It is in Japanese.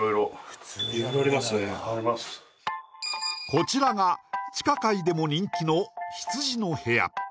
こちらが地下界でも人気の「ヒツジの部屋」